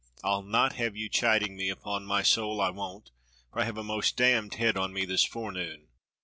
I'll not have you chiding me, upon my soul I won't, for I have a most damned head on me this fore noon.